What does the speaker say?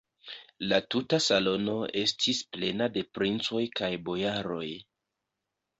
La tuta salono estis plena de princoj kaj bojaroj.